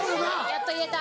やっと言えた。